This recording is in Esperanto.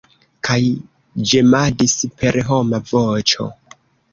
Kaj ĝemadis per homa voĉo.